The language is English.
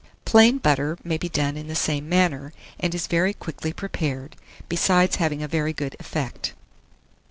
Plain butter may be done in the same manner, and is very quickly prepared, besides having a very good effect.